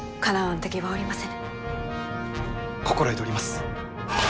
心得ております！